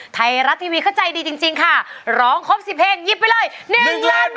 ไทยรัฐทีวีก็ใจดีจริงค่ะร้องครบ๑๐เพลงหยิบไปเลย๑ล้านบาท